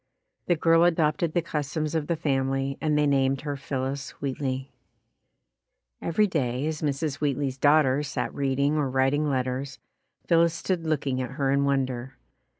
The girl adopted the customs of the family and they named her Phillis Wheatley. Every day as Mrs. Wheatley's daughter sat reading or writing letters, Phillis stood looking at her in wonder.